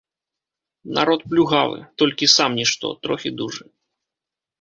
Народ плюгавы, толькі сам нішто, трохі дужы.